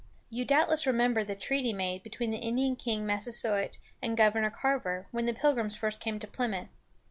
You doubtless remember the treaty made between the Indian King Massasoit and Governor Carver, when the Pilgrims first came to Plymouth.